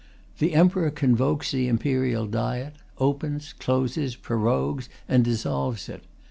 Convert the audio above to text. The Emperor convokes the Imperial Diet, opens, closes, prorogues, and dissolves it.